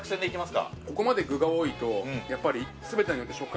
ここまで具が多いとやっぱり。